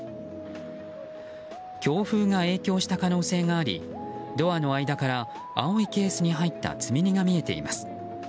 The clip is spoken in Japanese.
強風が影響した可能性がありドアの間から青いケースに入った積み荷が見えています。